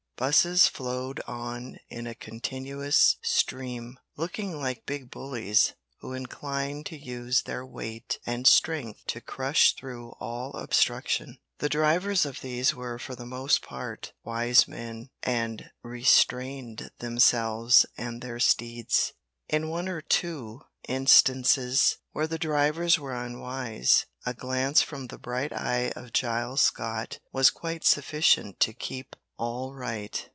Busses flowed on in a continuous stream, looking like big bullies who incline to use their weight and strength to crush through all obstruction. The drivers of these were for the most part wise men, and restrained themselves and their steeds. In one or two instances, where the drivers were unwise, a glance from the bright eye of Giles Scott was quite sufficient to keep all right.